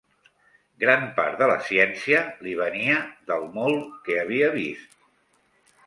...gran part de la ciència l’hi venia del molt que havia vist.